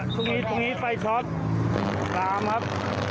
มีไฟช็อตตามครับไฟช็อตอยู่ครับ